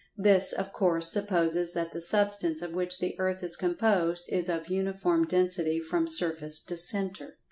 This, of course, supposes that the Substance of which the earth is composed is of uniform density from surface to centre.